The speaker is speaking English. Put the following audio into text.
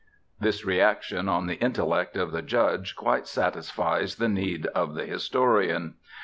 This reaction on the intellect of the Judge quite satisfies the need of the historian.